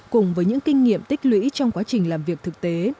cùng với những kinh nghiệm tích lũy trong quá trình làm việc thực tế